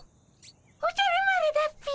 おじゃる丸だっピ。